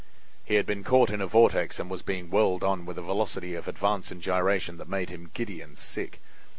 He had been caught in a vortex and was being whirled on with a velocity of advance and gyration that made him giddy and sick.